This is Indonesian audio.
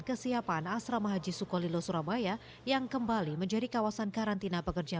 kesiapan asrama haji sukolilo surabaya yang kembali menjadi kawasan karantina pekerja